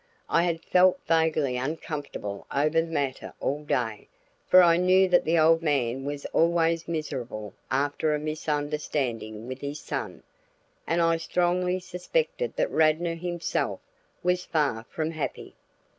I had felt vaguely uncomfortable over the matter all day, for I knew that the old man was always miserable after a misunderstanding with his son, and I strongly suspected that Radnor himself was far from happy.